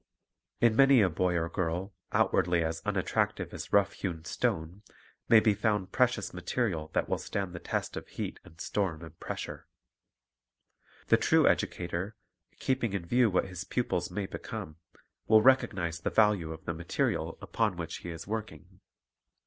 In many a boy or girl outwardly as unattractive as a rough hewn stone, may be found precious material that will stand the test of heat and storm and pressure. The true educator, keeping in view what his pupils may become, Avill rec ognize the value of the material upon which he is working.